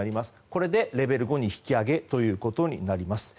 これでレベル５に引き上げということになります。